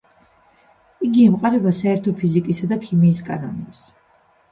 იგი ემყარება საერთო ფიზიკისა და ქიმიის კანონებს.